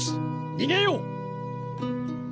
にげよう！